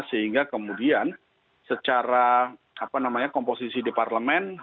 sehingga kemudian secara komposisi di parlemen